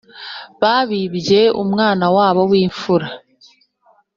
Babibye umwana wabo wimfura